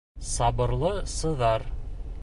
Сабырлы сыҙар